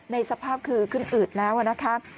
สภาพคือขึ้นอืดแล้วนะคะ